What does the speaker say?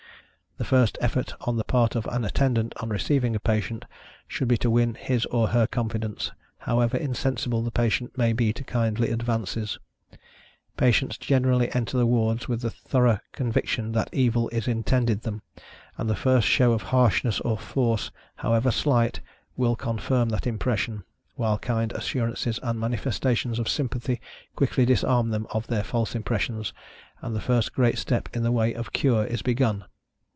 The first effort on the part of an Attendant, on receiving a patient, should be to win his or her confidence, however insensible the patient may be to kindly advances. Patients generally enter the wards with the thorough conviction that evil is intended them, and the first show of harshness or force, however slight, will confirm that impression, while kind assurances, and manifestations of sympathy, quickly disarm them of their false impressions, and the first great step in the way of cure is begun.